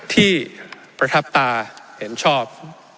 ที่ประทับตาเห็นชอบ